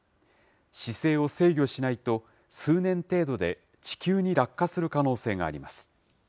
姿勢を制御しないと、数年程度で地球に落下する可能性があります。